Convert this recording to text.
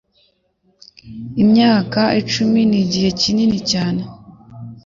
Imyaka icumi nigihe kinini cyane.